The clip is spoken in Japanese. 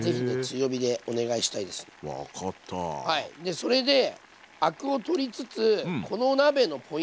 それでアクを取りつつこの鍋のポイントはですね